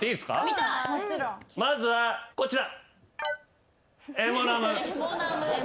まずはこちら。